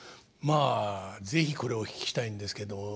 まあ是非これをお聞きしたいんですけど。